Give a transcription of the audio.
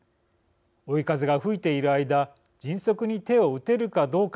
追い風が吹いている間迅速に手を打てるかどうか。